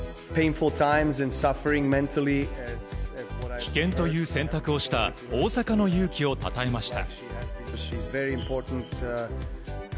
棄権という選択をした大坂の勇気をたたえました。